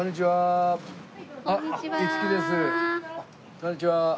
こんにちは。